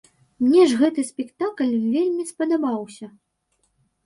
Мне ж гэты спектакль вельмі спадабаўся.